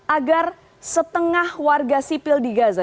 agar setengah warga sipil di gaza